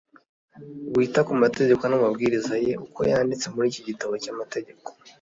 wita ku mategeko ye n’amabwiriza ye, uko yanditse muri iki gitabo cy’amategeko,